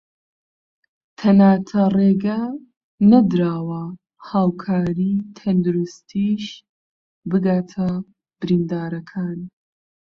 تەناتە رێگە نەدراوە هاوکاری تەندروستیش بگاتە بریندارەکان